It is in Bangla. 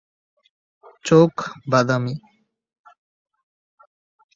চোখ বাদামি।